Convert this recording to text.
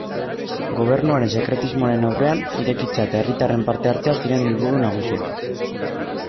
Gobernuaren sekretismoaren aurrean, irekitzea eta herritarren parte-hartzea ziren helburu nagusiak.